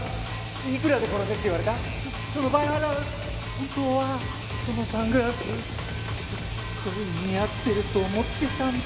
本当はそのサングラスすっごい似合ってると思ってたんだ。